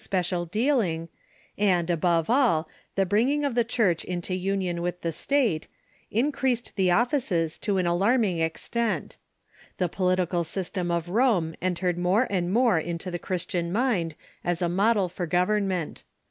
VO THE EARLY CHURCH and, above all, the bringing of the Churcli into union Avith the State, increased the ottices to an alarming extent. The political system of Rome entered more and more into the Christian mind as a model for government.